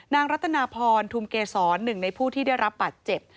นางรัตนภรทุมเกศร๑ในผู้ที่ได้รับบาดเจ็บ